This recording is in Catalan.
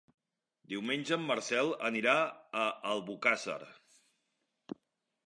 Diumenge en Marcel anirà a Albocàsser.